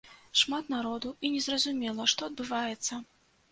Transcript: Шмат народу і незразумела, што адбываецца.